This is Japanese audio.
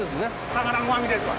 魚のうまみですわ。